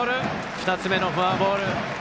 ２つ目のフォアボール。